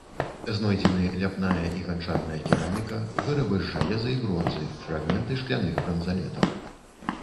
Знойдзены ляпная і ганчарная кераміка, вырабы з жалеза і бронзы, фрагменты шкляных бранзалетаў.